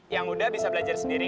yang muda bisa belajar sendiri